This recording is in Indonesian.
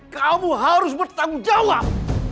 kamu harus bertanggung jawab